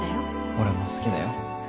俺も好きだよ。